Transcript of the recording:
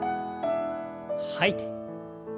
吐いて。